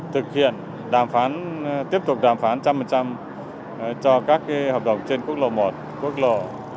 thực hiện đàm phán tiếp tục đàm phán một trăm linh cho các hợp đồng trên quốc lộ một quốc lộ một mươi bốn